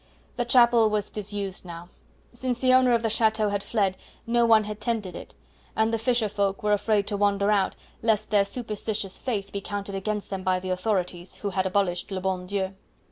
The chapel was disused now. Since the owner of the chateau had fled no one had tended it, and the fisher folk were afraid to wander out, lest their superstitious faith be counted against them by the authorities, who had abolished le bon Dieu.